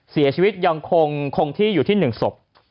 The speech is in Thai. เสียชีวิตยังคงที่อยู่ที่๑ศพ